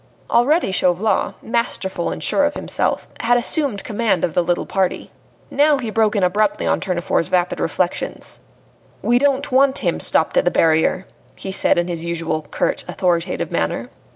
Already Chauvelin, masterful and sure of himself, had assumed command of the little party. Now he broke in abruptly on Tournefort's vapid reflections. "We don't want him stopped at the barrier," he said in his usual curt, authoritative manner.